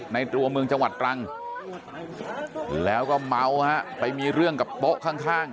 ตัวเมืองจังหวัดตรังแล้วก็เมาฮะไปมีเรื่องกับโต๊ะข้าง